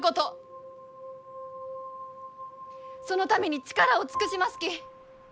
そのために力を尽くしますき。